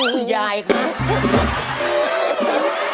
เออคุณยายคุ้ม